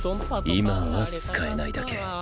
今は使えないだけ。